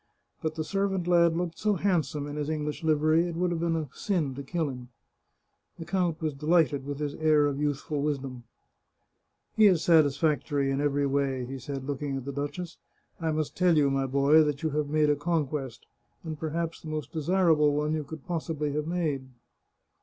But the servant lad looked so handsome in his English livery it would have been a sin to kill him." The count was delighted with his air of youthful wisdom. " He is satisfactory in every way," he said, looking at the duchess. " I must tell you, my boy, that you have made a conquest, and perhaps the most desirable one you could possibly have made."